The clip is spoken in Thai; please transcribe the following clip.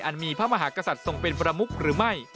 มีพระมหากษัตริย์ทรงเป็นประมุกหรือไม่